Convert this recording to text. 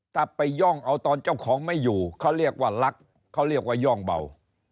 ถ้าไปย่องเอาตอนเจ้าของไม่อยู่เขาเรียกว่ารักเขาเรียกว่าย่องเบา